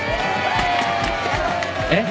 えっ？